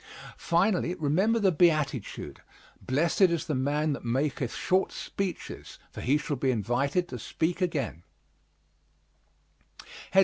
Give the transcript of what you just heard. Finally, remember the beatitude: Blessed is the man that maketh short speeches, for he shall be invited to speak again.